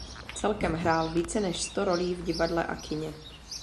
Celkem hrál více než sto rolí v divadle a kině.